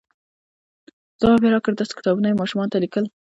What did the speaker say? ځواب یې ورکړ، داسې کتابونه یې ماشومانو ته لیکل،